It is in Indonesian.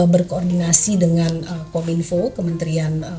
berkoordinasi dengan kominfo kementerian